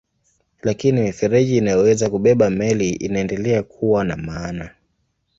Lakini mifereji inayoweza kubeba meli inaendelea kuwa na maana.